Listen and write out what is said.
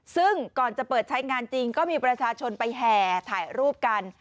ซึ่งก่อนจะเปิดใช้งานจริงก็มีประชาชนไปแห่ถ่ายรูปกัน